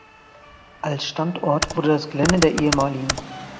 Als Standort wurde das Gelände der ehem.